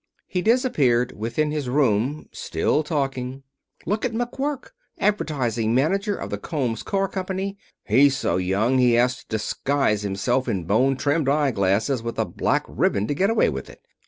He disappeared within his room, still talking. "Look at McQuirk, advertising manager of the Combs Car Company. He's so young he has to disguise himself in bone trimmed eye glasses with a black ribbon to get away with it.